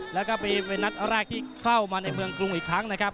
แล้วก็เป็นนัดแรกที่เข้ามาในเมืองกรุงอีกครั้งนะครับ